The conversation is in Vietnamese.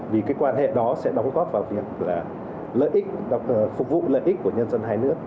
vì quan hệ đó sẽ đóng góp vào việc phục vụ lợi ích của nhân dân hai nước